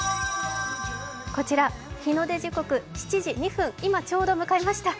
こちら、日の出時刻７時２分、今ちょうど迎えました。